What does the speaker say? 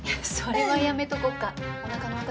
それはやめとこうか？